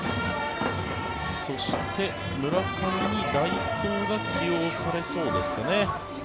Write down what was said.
そして、村上に代走が起用されそうですかね。